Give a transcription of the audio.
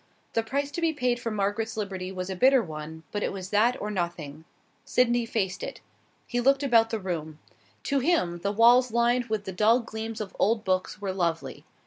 The price to be paid for Margaret's liberty was a bitter one, but it was that or nothing. Sydney faced it. He looked about the room. To him the walls lined with the dull gleams of old books were lovely.